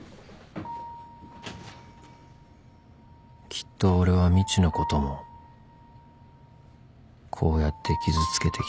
きっと俺はみちのこともこうやって傷つけてきた